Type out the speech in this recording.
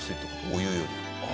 お湯より。